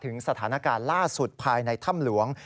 สถานการณ์ล่าสุดภายในถ้ำหลวง